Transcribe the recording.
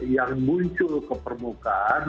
yang muncul ke permukaan